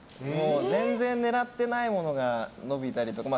全然狙ってないものが伸びたりとか。